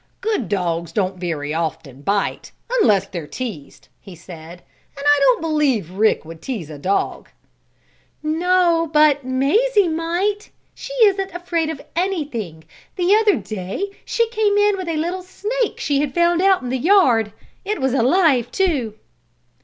"Good dogs don't very often bite, unless they're teased," he said. "And I don't believe Rick would tease a dog." "No, but Mazie might. She isn't afraid of anything. The other day she came in with a little snake she had found out in the yard. It was alive, too."